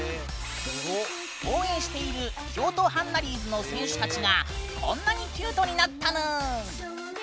応援している京都ハンナリーズの選手たちがこんなにキュートになったぬーん。